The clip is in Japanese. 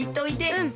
うん。